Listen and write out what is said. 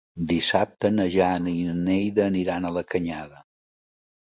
Dissabte na Jana i na Neida aniran a la Canyada.